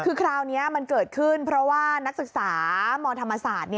คือคราวนี้มันเกิดขึ้นเพราะว่านักศึกษามธรรมศาสตร์